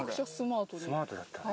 スマートやったね。